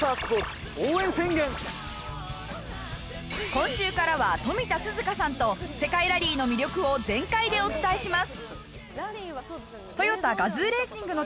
今週からは富田鈴花さんと世界ラリーの魅力を全開でお伝えします。